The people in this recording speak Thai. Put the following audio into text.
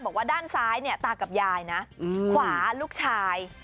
บอกว่าด้านซ้ายเนี่ยตากับยายนะขวาลูกชาย